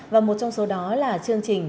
và một trong số đó là chương trình